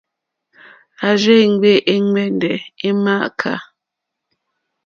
À rzé-mbè è ŋgbɛ̀ndɛ̀ è mááká.